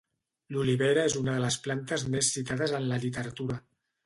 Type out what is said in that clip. L'olivera és una de les plantes més citades en la literatura.